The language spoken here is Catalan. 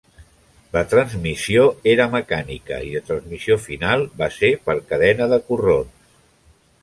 La transmissió era mecànica i la transmissió final va ser per cadena de corrons.